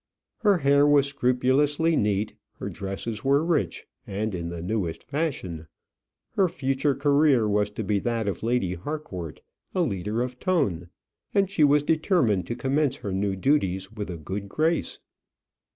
Her hair was scrupulously neat, her dresses were rich and in the newest fashion. Her future career was to be that of Lady Harcourt, a leader of ton; and she was determined to commence her new duties with a good grace.